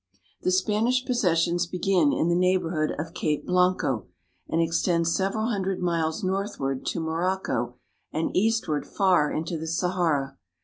The Spanish possessions begin in the neighborhood of Cape Blanco (blan'ko) and extend several hundred miles northward to Morocco and eastward far into the Sahara.